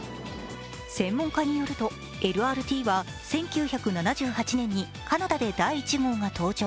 専門家によると、ＬＲＴは１９７８年にカナダで第１号が登場。